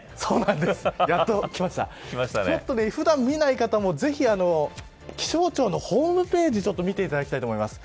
ちょっと普段見ない方もぜひ気象庁のホームページを見ていただきたいと思います。